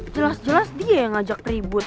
jelas jelas dia yang ajak ribet